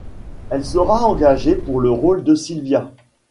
Elle sera engagée pour le rôle de Silvia.